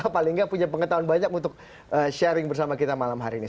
paling nggak punya pengetahuan banyak untuk sharing bersama kita malam hari ini